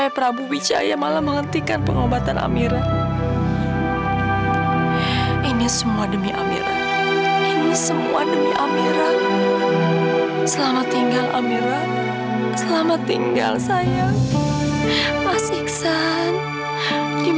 ibu kamu yang gak berguna ini